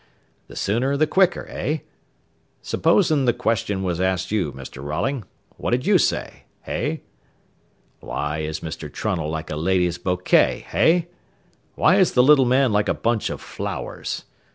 The sooner the quicker, eh? Supposen the question was asked you, Mr. Rolling, what'd you say, hey? Why is Mr. Trunnell like a lady's bouquet, hey? Why is the little man like a bunch of flowers?